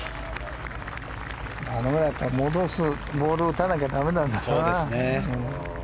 あのぐらいだったら戻すボールを打たなきゃだめなんですな。